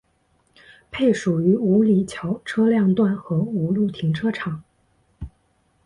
配属于五里桥车辆段和五路停车场。